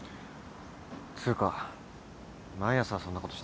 つうか毎朝そんなことしてんのか？